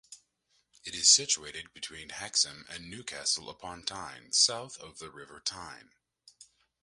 It is situated between Hexham and Newcastle upon Tyne, south of the River Tyne.